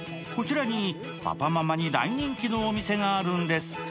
こちらにパパママに大人気のお店があるんです。